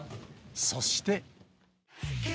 そして。